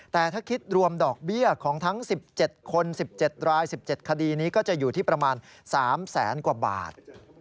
แต่ถ้าคิดรวมดอกเบี้ยของทั้ง๑๗คน๑๗ราย๑๗คดีนี้ก็จะอยู่ที่ประมาณ๓แสนกว่าบาท